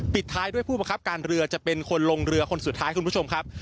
ปิดท้ายด้วยผู้ประคับการเรือจะเป็นคนลงเรือคนสุดท้ายคุณผู้ชมครับ